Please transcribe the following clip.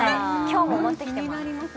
今日も持ってきてます